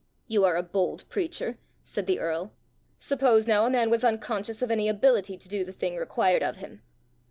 "You are a bold preacher!" said the earl. " Suppose now a man was unconscious of any ability to do the thing required of him?"